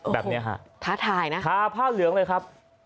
แบบนี้ฮะท้าทายนะคะทาผ้าเหลืองเลยครับ